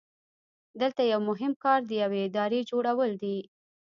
دلته یو مهم کار د یوې ادارې جوړول دي.